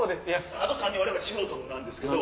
あと３人我々素人なんですけど。